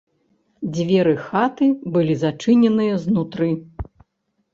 Дзверы хаты былі зачыненыя знутры.